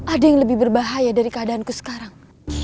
ada yang lebih berbahaya dari keadaanku sekarang